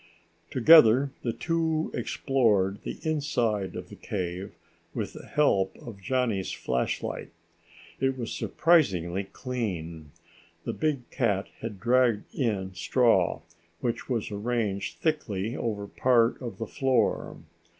Together the two explored the inside of the cave with the help of Johnny's flashlight. It was surprisingly clean. The big cat had dragged in straw, which was arranged thickly over part of the floor.